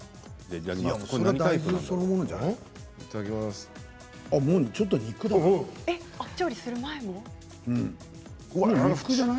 それは大豆そのものなんじゃない？